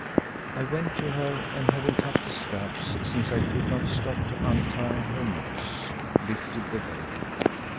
I went to her and having cut the straps, since I could not stop to untie their knots, lifted the veil.